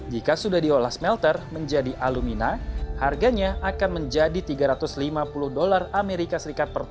jika sudah diolah smelter menjadi alumina harganya akan menjadi tiga ratus lima puluh dolar as